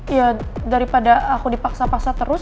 ya daripada aku dipaksa paksa terus